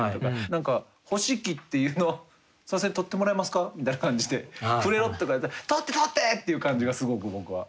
何か「欲しき」っていうのは「すいませんとってもらえますか」みたいな感じで「くれろ」とか言われたら「とってとって」っていう感じがすごく僕は。